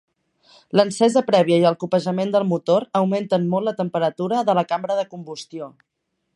L'encesa prèvia i el copejament del motor augmenten molt la temperatura de la cambra de combustió.